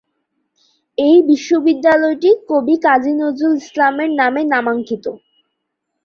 এই বিশ্ববিদ্যালয়টি কবি কাজী নজরুল ইসলামের নামে নামাঙ্কিত।